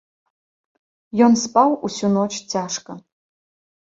Ён спаў усю ноч цяжка.